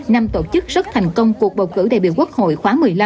năm tổ chức rất thành công cuộc bầu cử đại biểu quốc hội khóa một mươi năm